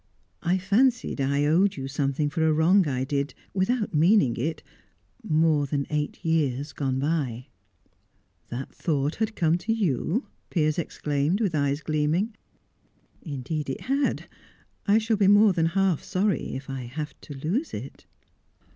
"I fancied I owed you something for a wrong I did, without meaning it, more than eight years gone by." "That thought had come to you?" Piers exclaimed, with eyes gleaming. "Indeed it had. I shall be more than half sorry if I have to lose it."